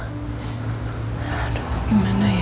aduh gimana ya